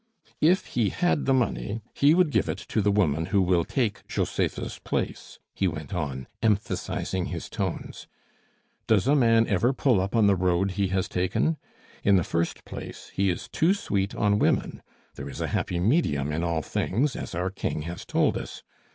"If he had the money, he would give it to the woman who will take Josepha's place," he went on, emphasizing his tones. "Does a man ever pull up on the road he has taken? In the first place, he is too sweet on women. There is a happy medium in all things, as our King has told us.